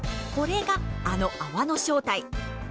これがあの泡の正体。